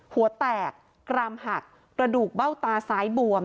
หัวแตกกรามหักกระดูกเบ้าตาซ้ายบวม